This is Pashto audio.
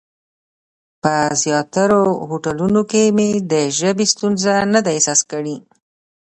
په زیاترو هوټلونو کې مې د ژبې ستونزه نه ده احساس کړې.